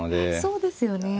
そうですよね。